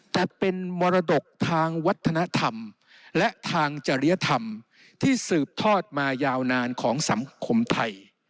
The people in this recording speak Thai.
แต่เป็นมรดกทางวัฒนธรรมและทางจริยธรรมที่สืบทอดมายาวนานของสังคมไทย